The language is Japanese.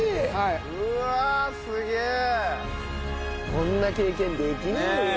こんな経験できないよ。